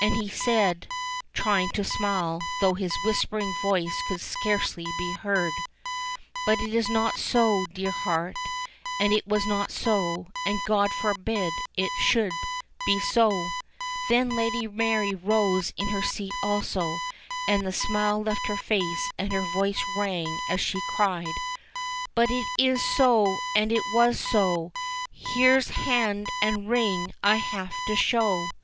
And he said, trying to smile, though his whispering voice could scarcely be heard : "But it is not so, dear heart, and it was not so, and God forbid it should be so !" Then Lady Mary rose in her seat also, and the smile left her face, and her voice rang as she cried : "But it is so, and it was so. Here's hand and ring I have to show."